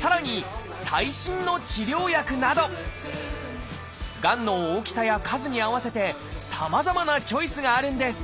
さらに最新の治療薬などがんの大きさや数に合わせてさまざまなチョイスがあるんです